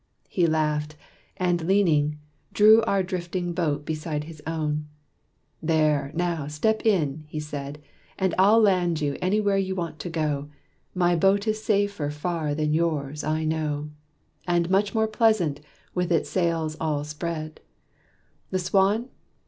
He laughed; and leaning, drew our drifting boat Beside his own. "There, now! step in!" he said, "I'll land you anywhere you want to go My boat is safer far than yours, I know: And much more pleasant with its sails all spread. The Swan?